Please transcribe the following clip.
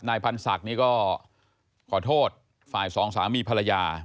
นายพันธ์ศักดิ์ก็ขอโทษฝ่ายสองสามีภรรยา